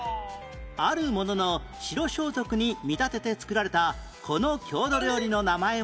あるものの白装束に見立てて作られたこの郷土料理の名前は何？